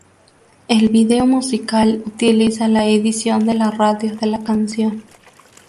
El video musical utiliza la edición de la radio de la canción.